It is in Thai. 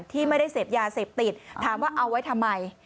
ที่ไม่ได้เสพยาเสพติดถามว่าเอาไว้ทำไม